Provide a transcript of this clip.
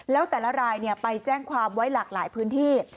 แล้วแต่ละรายไปแจ้งความไว้หลากหลายพื้นที่